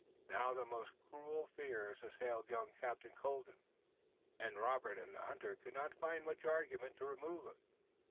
Now the most cruel fears assailed young Captain Colden, and Robert and the hunter could not find much argument to remove them.